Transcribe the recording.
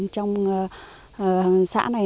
trong xã này